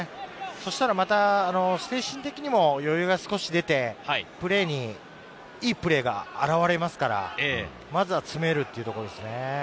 そしたら、また精神的にも余裕が少し出て、いいプレーが現れますから、まずは詰めるというところですね。